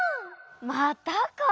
またか。